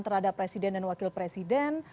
terhadap presiden dan wakil presiden